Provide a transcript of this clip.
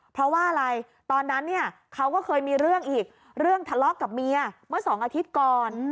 เพราะว่าอะไรตอนนั้นเนี่ยเขาก็เคยมีเรื่องอีกเรื่องทะเลาะกับเมียเมื่อ๒อาทิตย์ก่อน